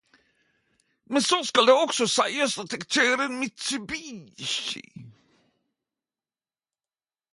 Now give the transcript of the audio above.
Men så skal det også seiast at eg køyrer Mitsubishi.